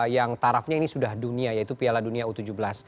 yang tarafnya ini sudah dunia yaitu piala dunia u tujuh belas